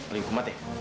lagi kumat ya